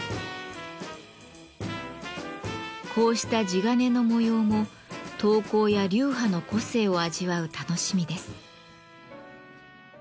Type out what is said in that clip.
こうした地鉄の模様も刀工や流派の個性を味わう楽しみです。